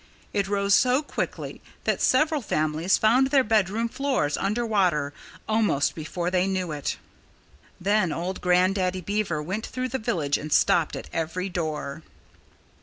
It rose so quickly that several families found their bedroom floors under water almost before they knew it. Then old Grandaddy Beaver went through the village and stopped at every door.